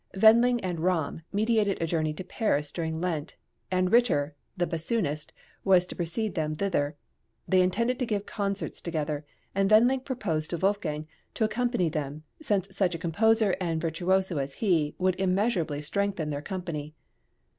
Wendling and Ramm meditated a journey to Paris during Lent, and Ritter, the bassoonist, was to precede them thither; they intended to give concerts together, and Wendling proposed to Wolfgang to accompany them, since such a composer and virtuoso as he would immeasurably strengthen their company.